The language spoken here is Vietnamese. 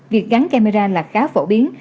việc gắn camera là khá phổ biến